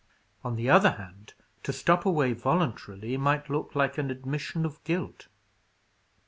On the other hand, to stop away voluntarily, might look like an admission of guilt.